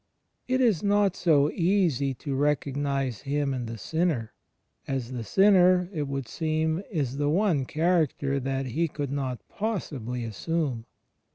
It is not so easy to recognize Him in the Sinner; as the Sinner, it would seem, is the one char acter that He could not possibly assume.